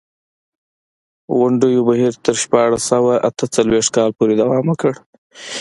غونډو بهیر تر شپاړس سوه اته څلوېښت کال پورې دوام وکړ.